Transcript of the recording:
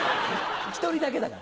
１人だけだから。